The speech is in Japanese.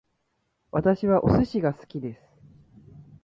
私はお寿司が好きです